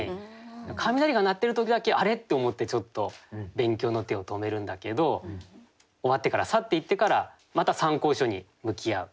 雷が鳴ってる時だけ「あれ？」って思ってちょっと勉強の手を止めるんだけど終わってから去っていってからまた参考書に向き合う。